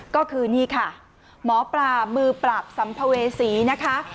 ก็คือนี่ค่ะหมอปลามือปราบสัมภเวษีนะคะ